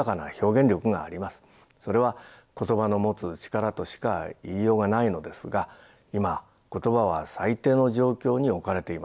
それは言葉の持つ力としか言いようがないのですが今言葉は最低の状況に置かれています。